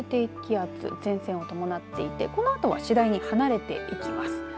低気圧、前線を伴っていてこのあと次第に離れていきます。